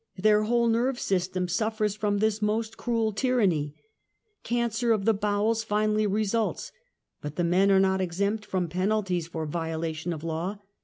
Their whole nerve / s^'Stem suffers from this most cruel tyranny. Can j cer of the bowels finally results. But the men are not exempt from penalties for violation of law.